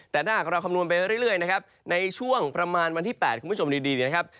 แต่ถ้าหากเราคำนวณไปเรื่อยนะครับในช่วงประมาณวันที่๘คุณผู้ชมดีนะครับ